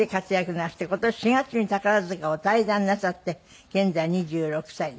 なすって今年４月に宝塚を退団なさって現在２６歳で。